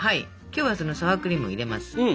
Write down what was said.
今日はそのサワークリームを入れます。